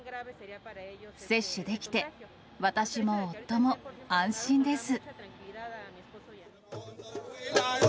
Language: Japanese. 接種できて私も夫も安心です。